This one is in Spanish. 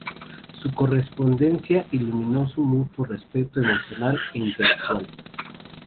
Su correspondencia iluminó su mutuo respeto emocional e intelectual.